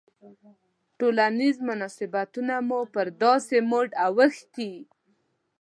ټولنیز مناسبتونه مو پر داسې موډ اوښتي.